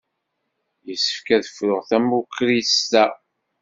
Yessefk ad fruɣ tamukrist-a.